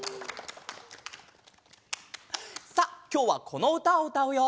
さあきょうはこのうたをうたうよ！